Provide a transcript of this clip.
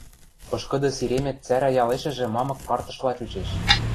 Пышкыды сиремет цӓрӓ ялешӹжӹ мамык партышла чучеш.